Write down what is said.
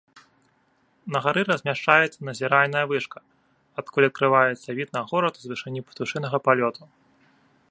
На гары размяшчаецца назіральная вышка, адкуль адкрываецца від на горад з вышыні птушынага палёту.